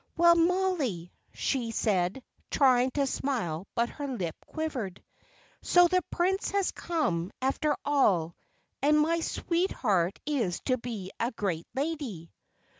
"Well, Mollie," she said, trying to smile, but her lip quivered. "So the Prince has come, after all, and my sweetheart is to be a great lady."